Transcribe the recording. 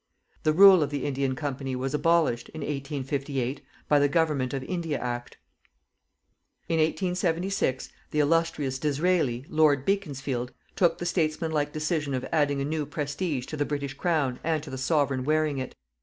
The rule of the Indian Company was abolished, in 1858, by The Government of India Act. In 1876, the illustrious Disraëli Lord Beaconsfield took the statesmanlike decision of adding a new prestige to the British Crown and to the Sovereign wearing it.